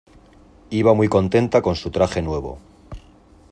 Iba muy contenta con su traje nuevo.